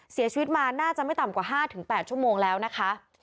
เสียชีวิตมาน่าจะไม่ต่ำกว่า๕๘ชั่วโมงแล้วนะคะ